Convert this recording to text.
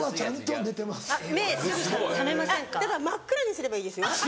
真っ暗にすればいいですよ。